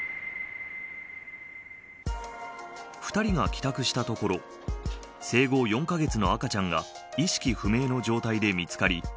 ２人が帰宅したところ生後４カ月の赤ちゃんが意識不明の状態で見つかり